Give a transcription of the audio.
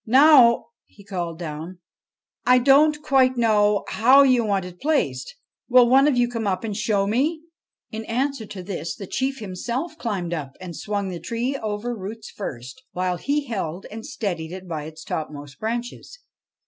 ' Now,' he called down, ' I don't quite know how you want it placed. Will one of you come up and show me ?' In answer to this the chief himself climbed up and swung the tree over roots first, while he held and steadied it by its topmost branches.